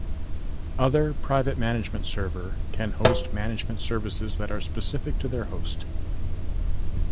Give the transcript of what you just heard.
Other private management server can host management services that are specific to their host.